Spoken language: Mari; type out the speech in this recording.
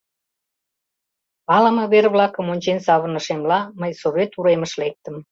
Палыме вер-влакым ончен савырнышемла, мый Совет уремыш лектым.